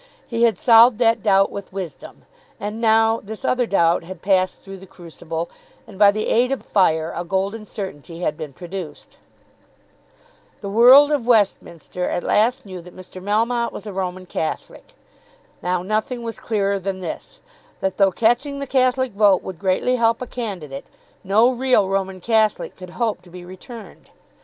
He had solved that doubt with wisdom. And now this other doubt had passed through the crucible, and by the aid of fire a golden certainty had been produced. The world of Westminster at last knew that Mr. Melmotte was a Roman Catholic. Now nothing was clearer than this, that though catching the Catholic vote would greatly help a candidate, no real Roman Catholic could hope to be returned.